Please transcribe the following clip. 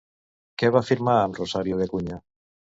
Què va firmar amb Rosario de Acuña?